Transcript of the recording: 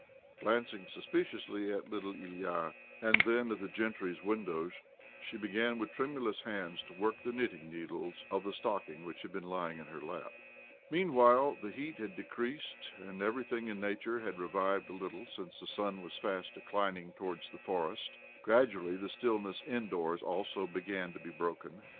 Glancing suspiciously ' at the little Ilya, and then at the gentry's windows, she began with tremulous hands to work the knitting needles of the stock ing which had been lying in her lap. 'Meanwhile the heat had decreased, and everything in nature had revived a little, since the sun was fast declining towards the forest. Gradually the stillness indoors also began to be broken.